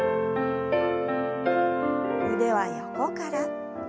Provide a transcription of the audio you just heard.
腕は横から。